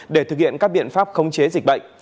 để thực hiện các biện pháp khống chế dịch bệnh